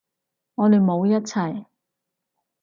我哋冇一齊